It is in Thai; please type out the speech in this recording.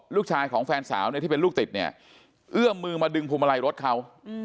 ลูกชายของแฟนสาวเนี่ยที่เป็นลูกติดเนี่ยเอื้อมมือมาดึงพวงมาลัยรถเขา